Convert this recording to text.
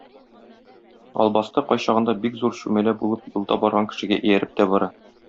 Албасты, кайчагында, бик зур чүмәлә булып юлда барган кешегә ияреп тә бара.